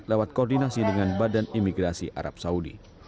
lewat koordinasi dengan badan imigrasi arab saudi